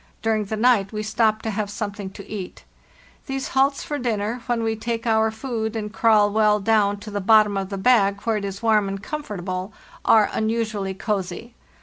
During the night we stopped to have something to eat. These halts for dinner, when we take our food and crawl well down to the bottom of the bag, where it is warm and comfortable, are unusually cozy.